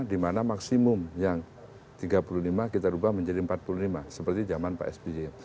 di mana maksimum yang tiga puluh lima kita ubah menjadi empat puluh lima seperti zaman pak sby